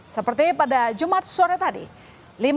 seperti pada jumat sore tadi